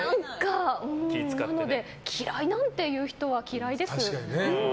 なので、嫌いなんて言う人は嫌いです。